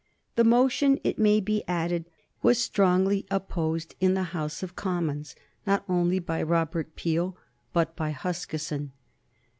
The motion, it may be added, was strongly opposed in the House of Commons, not only by Robert Peel, but by Huskisson.